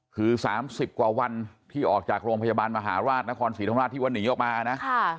คือ๓๐กว่าวันที่ออกจากโรงพยาบาลมหาราชนครศรีธรรมราชที่ว่าหนีออกมานะ